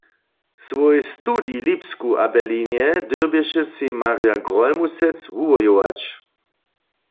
Swój studij w Lipsku a Berlinje dyrbješe sej Marja Grólmusec wuwojować.